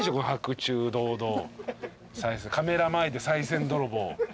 カメラ前でさい銭泥棒。